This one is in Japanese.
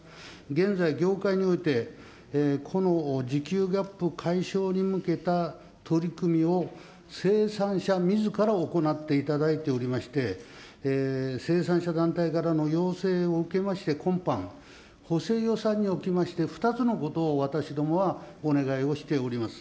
現在、業界において、この需給ギャップ解消に向けた取り組みを生産者みずから行っていただいておりまして、生産者団体からの要請を受けまして、今般、補正予算におきまして、２つのことを私どもはお願いをしております。